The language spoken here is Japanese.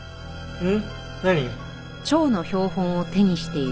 うん。